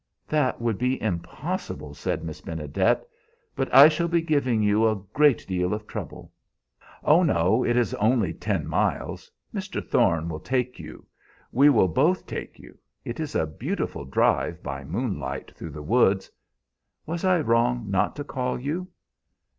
"That would be impossible," said Miss Benedet; "but I shall be giving you a great deal of trouble." "Oh, no; it is only ten miles. Mr. Thorne will take you; we will both take you. It is a beautiful drive by moonlight through the woods. Was I wrong not to call you?"